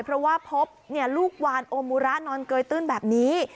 เพราะว่าพบลูกวานโอมูระนอนเกยตื้นแบบนี้